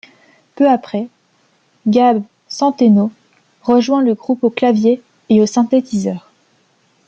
Peu après, Gabe Centeno rejoint le groupe au clavier et au synthétiseur.